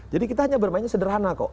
jadi kita hanya bermainnya sederhana kok